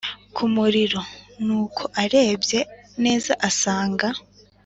kumuriro nuko arebye neza asanga